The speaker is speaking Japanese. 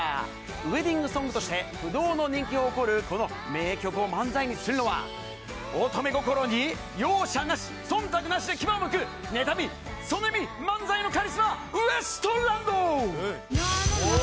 ウエディングソングとして不動の人気を誇るこの名曲を漫才にするのは、乙女心に容赦なし、そんたくなしで牙をむく、妬み、そねみ漫才のカリスマ、ウエストランド。